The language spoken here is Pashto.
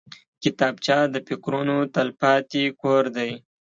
کتابچه د فکرونو تلپاتې کور دی